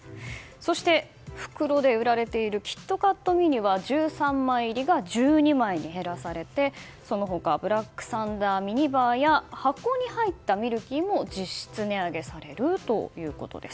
そして袋で売られているキットカットミニは１３枚入りが１２枚に減らされてその他ブラックサンダーミニバー箱に入ったミルキーも実質値上げされるということです。